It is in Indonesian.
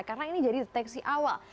karena ini jadi deteksi awal